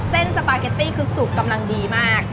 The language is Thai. สปาเกตตี้คือสุกกำลังดีมาก